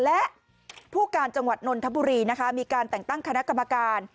และผู้การจังหวัดนนทบุรีนะคะมีการแต่งตั้งคณะกรรมการ